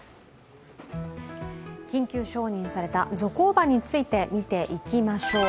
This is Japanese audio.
緊急承認されたゾコーバについて見ていきましょう。